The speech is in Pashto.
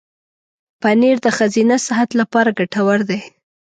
پنېر د ښځینه صحت لپاره ګټور دی.